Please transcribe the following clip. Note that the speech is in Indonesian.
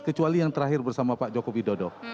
kecuali yang terakhir bersama pak jokowi dodo